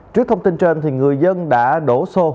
trước thông tin trên người dân đã đổ xô